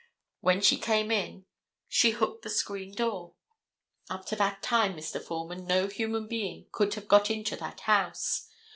When she came in she hooked the screen door. Up to that time, Mr. Foreman, no human being could have got into that house.